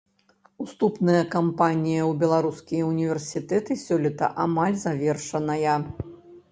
Уступная кампанія ў беларускія ўніверсітэты сёлета амаль завершаная.